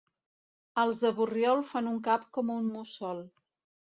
Els de Borriol fan un cap com un mussol.